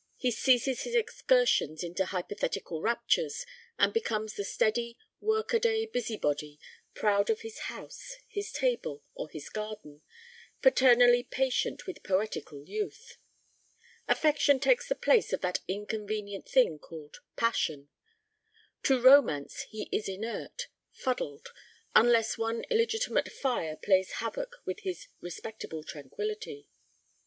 He ceases his excursions into hypothetical raptures, and becomes the steady, workaday busybody, proud of his house, his table, or his garden, paternally patient with poetical youth. Affection takes the place of that inconvenient thing called passion. To romance he is inert, fuddled—unless one illegitimate fire plays havoc with his respectable tranquillity.